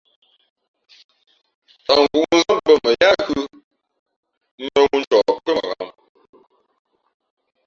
Tαʼ ngǔʼnzά mbᾱ mα yáá ghʉ̌ mάŋū ncɔ pʉ́ά ghǎm.